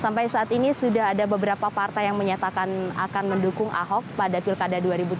sampai saat ini sudah ada beberapa partai yang menyatakan akan mendukung ahok pada pilkada dua ribu tujuh belas